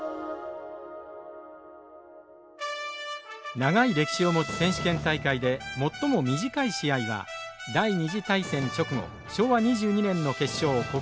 長い歴史を持つ選手権大会で最も短い試合は第２次大戦直後昭和２２年の決勝小倉中学対岐阜商業です。